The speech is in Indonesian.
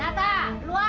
hei nata keluar